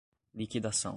liquidação